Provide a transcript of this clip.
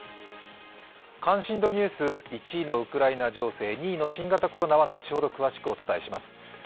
関心度ニュース、１位のウクライナ情勢、２位の新型コロナは、後ほど詳しくお伝えします。